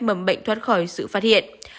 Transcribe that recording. mầm bệnh thoát khỏi sự phát hiện